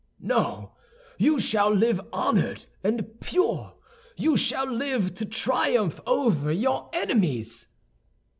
"No, you shall live honored and pure; you shall live to triumph over your enemies."